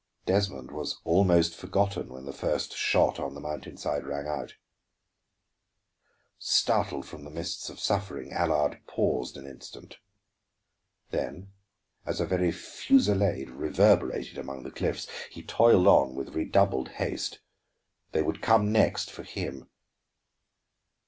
Desmond was almost forgotten when the first shot on the mountain side rang out. Startled from the mists of suffering, Allard paused an instant. Then as a very fusillade reverberated among the cliffs, he toiled on with redoubled haste. They would come next for him.